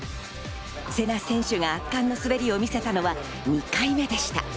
せな選手が圧巻の滑りを見せたのは２回目でした。